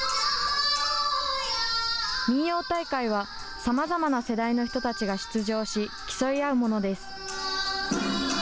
民謡大会は、さまざまな世代の人たちが出場し、競い合うものです。